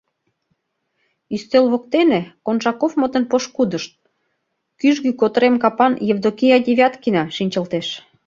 Ӱстел воктене Коншаковмытын пошкудышт, кӱжгӱ кӧтырем капан Евдокия Девяткина, шинчылтеш.